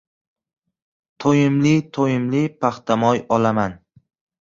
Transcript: To‘yimli-to‘yimli paxtamoy olaman.